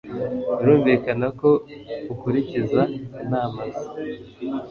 Birumvikana ko ukurikiza inama ze